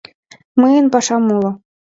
Мыйын пашам уло.